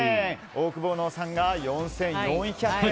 オオクボーノさんが４４００円。